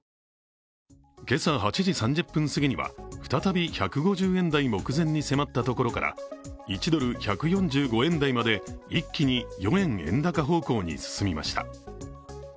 今朝８時３０分すぎには再び１５０円台目前に迫ったところから１ドル＝１４５円台まで一気に４円円高方向に進みました。